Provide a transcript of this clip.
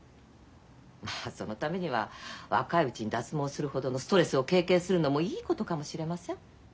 まあそのためには若いうちに脱毛するほどのストレスを経験するのもいいことかもしれません。